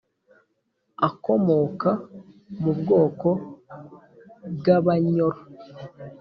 akomoka mu bwoko bw’Abanyoro